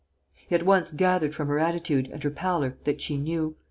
] He at once gathered from her attitude and her pallor that she knew.